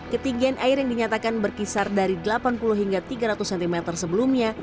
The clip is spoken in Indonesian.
ketinggian air yang dinyatakan berkisar dari delapan puluh hingga tiga ratus cm sebelumnya